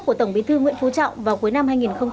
của tổng bí thư nguyễn phú trọng vào cuối năm hai nghìn hai mươi